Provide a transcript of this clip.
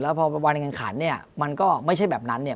แล้วพอว่าในการขันเนี่ยมันก็ไม่ใช่แบบนั้นเนี่ย